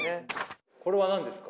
これは何ですか？